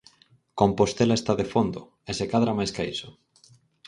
Compostela está de fondo, e se cadra máis ca iso.